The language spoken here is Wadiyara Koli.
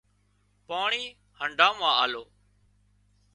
پاڻي هنڍا مان آلو